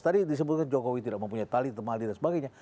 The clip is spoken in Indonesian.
tadi disebutkan jokowi tidak mempunyai tali temali dan sebagainya